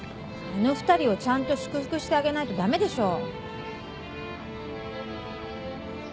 あの２人をちゃんと祝福してあげないと駄目でしょ。